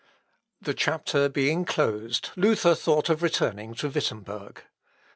The Chapter being closed, Luther thought of returning to Wittemberg.